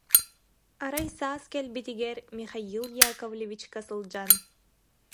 Арай саас кэлбитигэр Михаил Яковлевичка сылдьан: